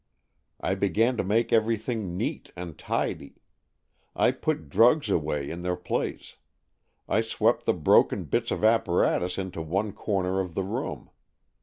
I began to make everything neat and tidy. I put drugs away in their place. I swept the broken bits of apparatus into one corner of the room.